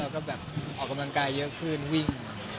ออกกำลังกายเยอะขึ้นวิ่ง